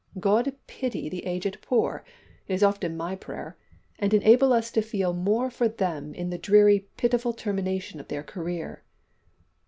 `God pity the aged poor,' is often my prayer, `and enable us to feel more for them in the dreary, pitiful termination of their career.'"